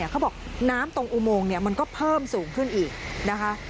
เขาบอกน้ำตรงอุโมงมันก็เพิ่มสูงขึ้นอีกนะคะ